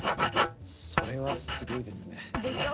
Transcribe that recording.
それはすごいですね。でしょ？